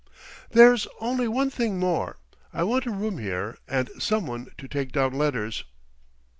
"There's only one thing more; I want a room here and someone to take down letters."